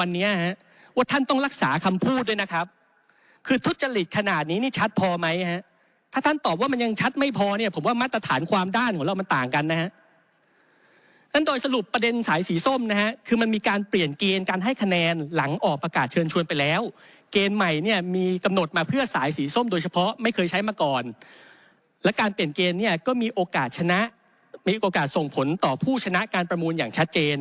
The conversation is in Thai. เนี้ยผมว่ามัดตรฐานความด้านของเรามันต่างกันนะฮะนั่นโดยสรุปประเด็นสายสีส้มนะฮะคือมันมีการเปลี่ยนเกณฑ์การให้คะแนนหลังออกประกาศเชิญชวนไปแล้วเกณฑ์ใหม่เนี้ยมีกำหนดมาเพื่อสายสีส้มโดยเฉพาะไม่เคยใช้มาก่อนแล้วการเปลี่ยนเกณฑ์เนี้ยก็มีโอกาสชนะมีโอกาสส่งผลต่อผู้ชนะการประมูลอย่าง